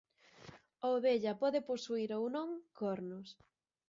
A ovella pode posuír ou non cornos.